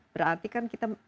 berarti kan kita